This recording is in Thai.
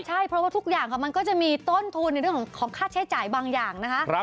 ใช่เพราะว่าทุกอย่างค่ะมันก็จะมีต้นทุนในเรื่องของค่าใช้จ่ายบางอย่างนะคะ